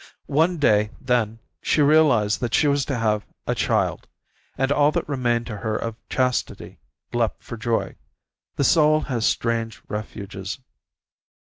One day, then, she realized that she was to have a child, and all that remained to her of chastity leaped for joy. The soul has strange refuges.